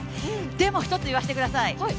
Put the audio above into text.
でも、一つ言わせてください。